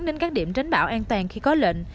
nên các điểm tránh bão an toàn khi có lệnh